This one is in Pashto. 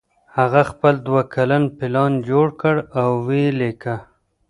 هغه خپل دوه کلن پلان جوړ کړ او ویې لیکه